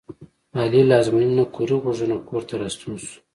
علي له ازموینې نه کوړی غوږونه کورته راستون شو.